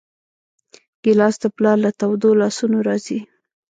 ګیلاس د پلار له تودو لاسونو راځي.